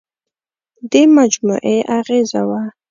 دې مجموعې اغېزه وه.